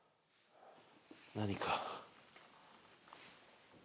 何か。